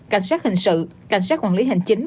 cảnh sát hình sự cảnh sát quản lý hành chính về trật tự xã hội